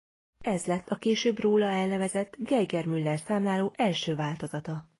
Ez lett a később róla elnevezett Geiger–Müller-számláló első változata.